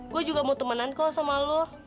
gue juga mau temenan kok sama lo